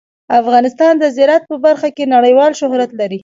افغانستان د زراعت په برخه کې نړیوال شهرت لري.